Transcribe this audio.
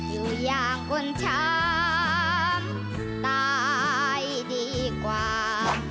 อยู่อย่างคนช้างตายดีกว่า